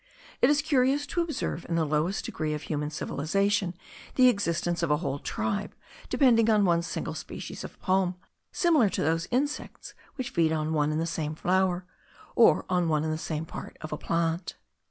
It is curious to observe in the lowest degree of human civilization the existence of a whole tribe depending on one single species of palm tree, similar to those insects which feed on one and the same flower, or on one and the same part of a plant.